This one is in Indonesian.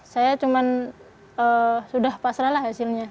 saya cuma sudah pasrah lah hasilnya